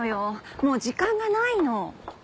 もう時間がないの。